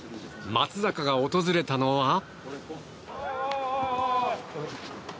松坂が訪れたのは。